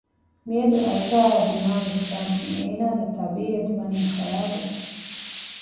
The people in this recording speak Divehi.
މިއަދު އައިކާއާ ދިމާވި ހިސާބުން އޭނާގެ ޠަބީއަތު ވަނީ ޚަރާބުވެފަ